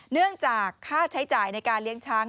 เนื่องจากค่าใช้จ่ายในการเลี้ยงช้าง